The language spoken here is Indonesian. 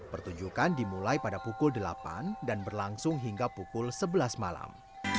pertunjukan dimulai pada pukul delapan dan berlangsung hingga pukul sebelas malam